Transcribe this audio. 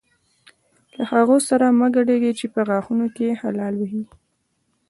له هغو سره مه ګډېږئ چې په غاښونو کې خلال وهي.